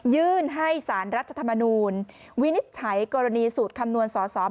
ยื่นให้สารรัฐธรรมนูลวินิจฉัยกรณีสูตรคำนวณสอสอ